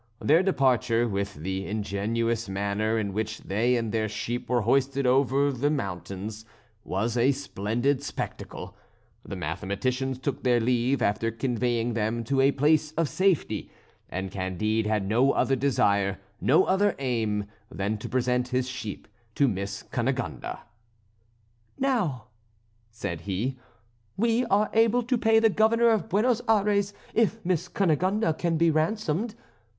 Their departure, with the ingenious manner in which they and their sheep were hoisted over the mountains, was a splendid spectacle. The mathematicians took their leave after conveying them to a place of safety, and Candide had no other desire, no other aim, than to present his sheep to Miss Cunegonde. "Now," said he, "we are able to pay the Governor of Buenos Ayres if Miss Cunegonde can be ransomed.